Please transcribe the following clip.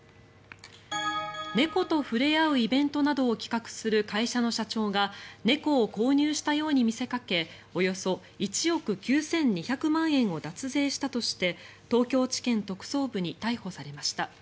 猫と触れ合うイベントなどを企画する会社の社長が猫を購入したように見せかけおよそ１億９２００万円を脱税したとして東京地検特捜部に逮捕されました。